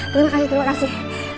terima kasih terima kasih